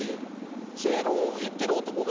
正論を言ってる男が。